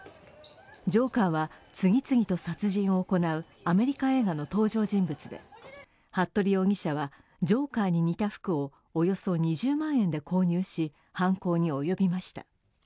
ジョーカーは次々と殺人を行うアメリカ映画の登場人物で服部容疑者は、ジョーカーに似た服をおよそ２０万円で購入し、犯行に及びました。